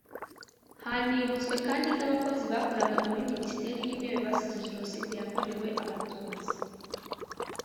Hanibutswe kandi n’abakozi bakoraga muri Minisiteri y’Intebe bazize Jenoside yakorewe Abatutsi